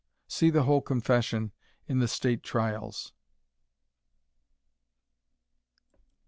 See the whole confession in the State Trials.